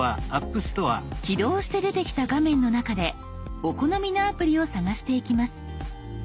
起動して出てきた画面の中でお好みのアプリを探していきます。